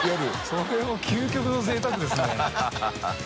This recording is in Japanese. それ究極のぜいたくですねハハハ